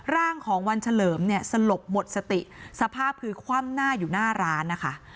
ร่างของวันเฉลิมเนี่ยสลบหมดสติสภาพคือคว่ำหน้าอยู่หน้าร้านนะคะ